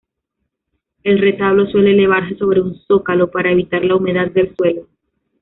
El retablo suele elevarse sobre un zócalo para evitar la humedad del suelo.